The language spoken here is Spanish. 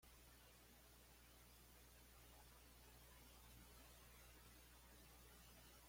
Su posición en el campo era delantero centro o extremo derecho.